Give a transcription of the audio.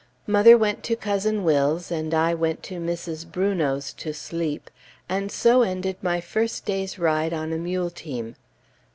Mother went to Cousin Will's, and I went to Mrs. Brunot's to sleep, and so ended my first day's ride on a mule team.